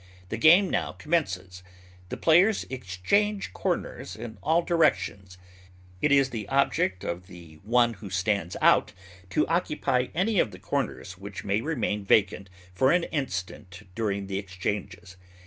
The game now commences; the players exchange corners in all directions; it is the object of the one who stands out to occupy any of the corners which may remain vacant for an instant during the exchanges.